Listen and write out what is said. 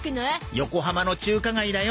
横浜の中華街だよ。